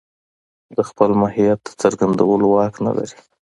د خپل ماهيت د څرګندولو واک نه لري.